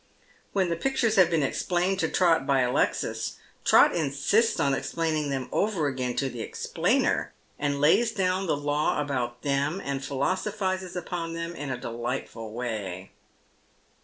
When the pictures have been explained to Trot by Alexis, Trot insists on explaining them over again to the explainer, and lays down the law about them and philosophises upon them in a delightful way.